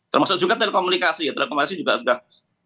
termasuk juga telekomunikasi ya telekomunikasi juga sudah